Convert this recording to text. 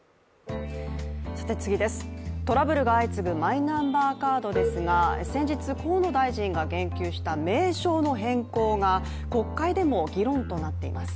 トラブルが相次ぐマイナンバーカードですが先日、河野大臣が言及した名称の変更が国会でも議論となっています。